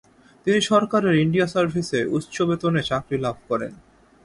তিনি সরকারের ইন্ডিয়া সার্ভিসে উচ্চ বেতনে চাকরি লাভ করেন।